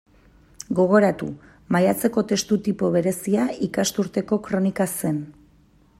Gogoratu; maiatzeko testu tipo berezia ikasturteko kronika zen.